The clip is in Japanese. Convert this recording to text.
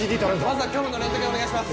まずは胸部のレントゲンお願いします。